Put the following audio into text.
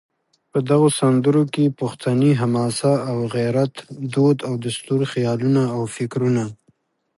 په دغو سندرو کې پښتني حماسه او غیرت، دود او دستور، خیالونه او فکرونه